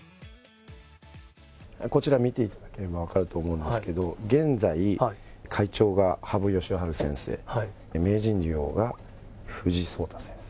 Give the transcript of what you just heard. こちら、見ていただければ分かると思うんですが、現在、会長が羽生善治先生、名人・竜王が藤井聡太先生。